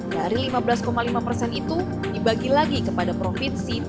dari lima belas lima persen itu dibagi lagi kepada provinsi tiga satu persen